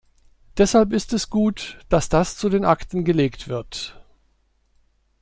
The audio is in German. Deshalb ist es gut, dass das zu den Akten gelegt wird.